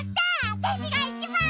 わたしがいちばん！